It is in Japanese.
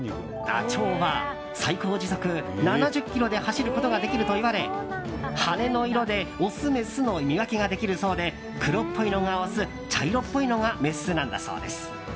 ダチョウは最高時速７０キロで走ることができるといわれ羽の色でオス、メスの見分けができるそうで黒っぽいのがオス茶色っぽいのがメスなんだそうです。